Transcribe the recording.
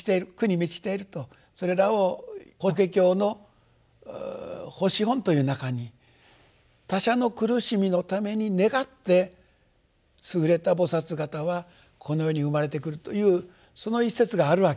それらを「法華経」の法師品という中に他者の苦しみのために願って優れた菩方はこの世に生まれてくるというその一節があるわけで。